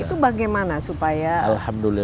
itu bagaimana supaya budayanya juga menerimalah